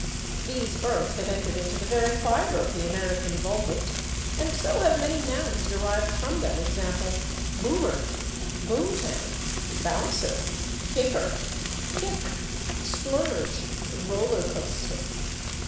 These verbs have entered into the very fibre of the American vulgate, and so have many nouns derived from them, /e. g./, /boomer/, /boom town/, /bouncer/, /kicker/, /kick/, /splurge/, /roller coaster